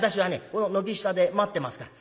この軒下で待ってますから」。